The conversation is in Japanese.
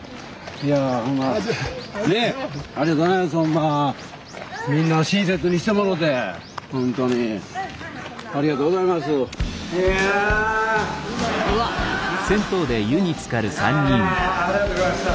いやありがとうございました。